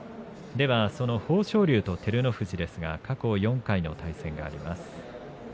豊昇龍と照ノ富士ですが過去４回の対戦があります。